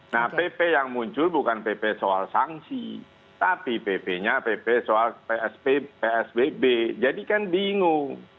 nah pp yang muncul bukan pp soal sanksi tapi pp nya pp soal psbb jadi kan bingung